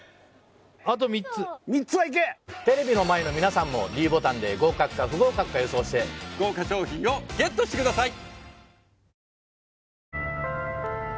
あと３つテレビの前の皆さんもｄボタンで合格か不合格か予想して豪華賞品をＧＥＴしてください